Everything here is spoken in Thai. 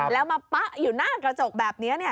แล้วมาปะอยู่หน้ากระจกแบบนี้